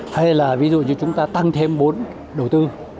hay là ví dụ như chúng ta tăng thêm bốn đầu tư